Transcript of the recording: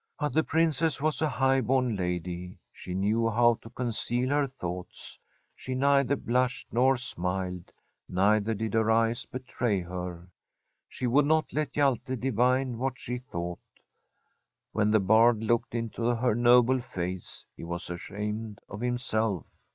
But the Princess was a high bom lady; she knew how to conceal her thoughts. She neither blushed nor smiled, neither did her eyes betray her. She would not let Hjalte divine what she thought Wben the Bard looked into her noble face he was ashamed of himself.